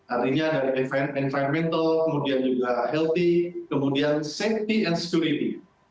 artinya dari environmental kemudian juga healthy kemudian safety and security